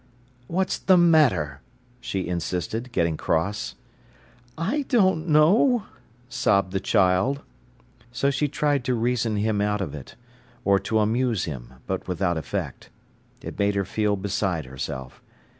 "What's the matter?" she insisted, getting cross. "I don't know," sobbed the child. So she tried to reason him out of it, or to amuse him, but without effect. It made her feel beside herself.